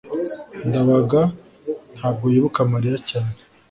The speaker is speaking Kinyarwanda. ndabaga ntabwo yibuka mariya cyane